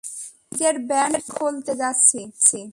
নিজের ব্যান্ড খোলতে যাচ্ছি।